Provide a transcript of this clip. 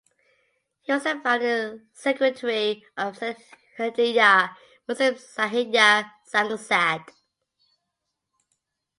He was the founding Secretary of Sylhet Kendriya Muslim Sahitya Sangsad.